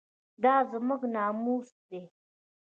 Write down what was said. دا زموږ ناموس دی